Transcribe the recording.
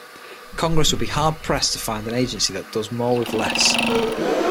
Congress would be hard-pressed to find an agency that does more with less.